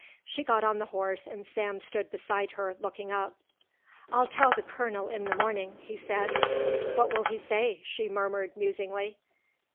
She got on the horse and Sam stood beside her looking up. "I'll tell the colonel in the morning," he said. "What will he say?" she murmured, musingly.